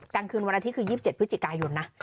กลางคืนวันอาทิตย์คือ๒๗พฤศจิกายนนะ